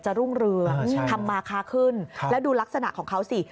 รุ่งเรืองทำมาค้าขึ้นแล้วดูลักษณะของเขาสิ